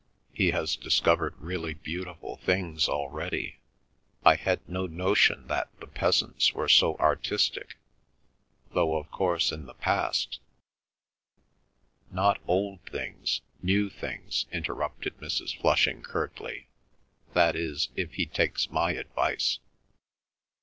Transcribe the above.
He has discovered really beautiful things already. I had no notion that the peasants were so artistic—though of course in the past—" "Not old things—new things," interrupted Mrs. Flushing curtly. "That is, if he takes my advice."